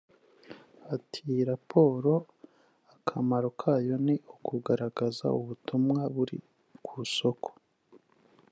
Ati “Iyi raporo akamaro kayo ni ukugaragaza ubutumwa buri ku isoko